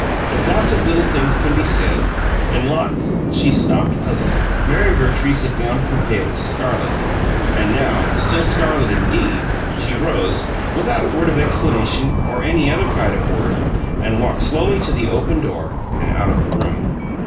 There's lots of little things can be said, and lots " She stopped, puzzled. Mary Vertrees had gone from pale to scarlet, and now, still scarlet indeed, she rose, without a word of explanation, or any other kind of word, and walked slowly to the open door and out of the room.